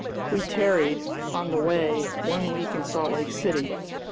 We tarried, on the way, one week in Salt Lake City.